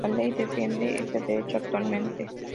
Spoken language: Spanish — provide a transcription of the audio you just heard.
La ley defiende este derecho actualmente.